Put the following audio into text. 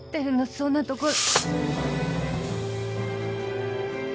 そんなとこで。